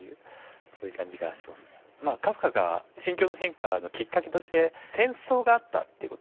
カフカの心境の変化のきっかけとして戦争があったという事です。